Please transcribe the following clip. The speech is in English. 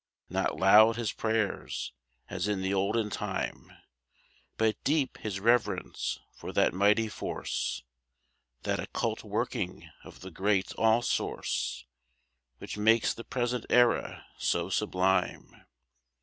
Not loud his prayers, as in the olden time, But deep his reverence for that mighty force. That occult working of the great all Source, Which makes the present era so sublime.